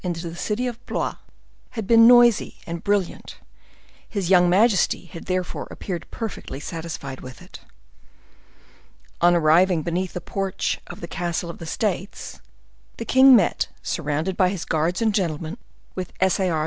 into the city of Blois had been noisy and brilliant; his young majesty had therefore appeared perfectly satisfied with it. On arriving beneath the porch of the Castle of the States, the king met, surrounded by his guards and gentlemen, with S. A. R.